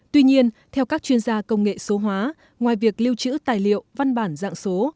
tuy nhiên theo các chuyên gia công nghệ số hóa ngoài việc lưu trữ tài liệu văn bản dạng số